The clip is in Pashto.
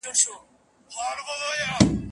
د دغو کلمو علمي ماناوي سره بېلي دي.